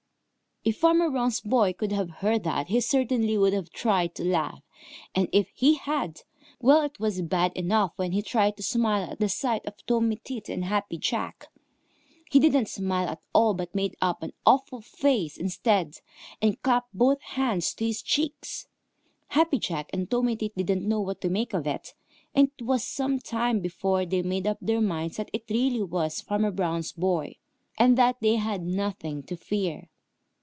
If Farmer Brown's boy could have heard that, he certainly would have tried to laugh, and if he had well, it was bad enough when he tried to smile at the sight of Tommy Tit and Happy Jack. He didn't smile at all but made up an awful face instead and clapped both hands to his cheeks. Happy Jack and Tommy Tit didn't know what to make of it, and it was some time before they made up their minds that it really was Farmer Brown's boy, and that they had nothing to fear.